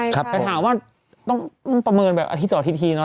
แต่หาว่าต้องประเมินแบบอาทิตย์นะ